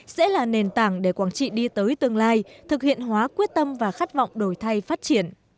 sẽ là nền tảng để quảng trị đi tới tương lai thực hiện hóa quyết tâm và khát vọng đổi thay phát triển